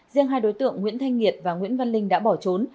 riêng hai đối tượng nguyễn thanh nhiệt và nguyễn văn linh đã bỏ trốn